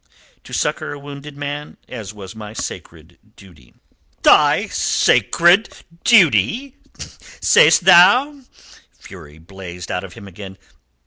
"To succour a wounded man, as was my sacred duty." "Thy sacred duty, sayest thou?" Fury blazed out of him again.